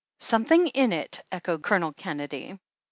"Something in it!" echoed Colonel Kennedy.